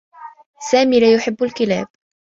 سامي لا يحبّ الكلاب.